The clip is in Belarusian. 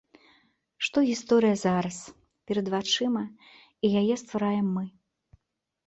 Што гісторыя зараз, перад вачыма, і яе ствараем мы.